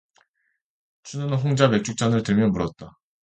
춘우는 혼자 맥주 잔을 들며 물었다.